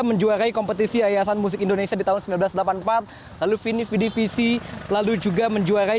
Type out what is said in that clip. menjuarai kompetisi yayasan musik indonesia di tahun seribu sembilan ratus delapan puluh empat lalu vini vidivisi lalu juga menjuarai